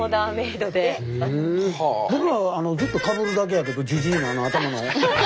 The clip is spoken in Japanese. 僕らずっとかぶるだけやけどジジイのあの頭の。